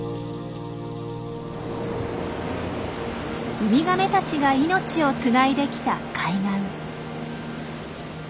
ウミガメたちが命をつないできた海岸。